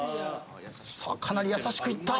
さあかなり優しくいった。